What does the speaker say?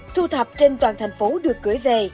thu thập trên toàn thành phố được gửi về